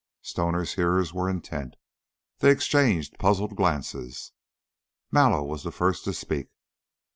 Stoner's hearers were intent; they exchanged puzzled glances. Mallow was the first to speak.